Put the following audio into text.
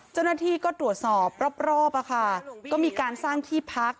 เจ้าหน้าที่ก็ตรวจสอบรอบก็มีการสร้างที่พัก